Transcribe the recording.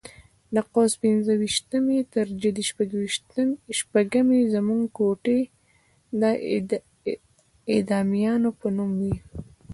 له قوس پنځه ویشتمې تر جدي شپږمې زموږ کوټې د اعدامیانو په نوم وې.